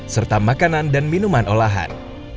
serta makanan dan minuman olahan